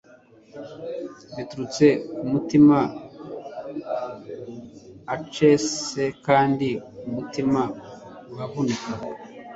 biturutse kumutima aces kandi umutima uravunika